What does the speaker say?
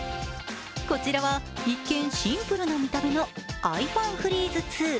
こちらは、一見シンプルな見た目のアイファンフリーズ２。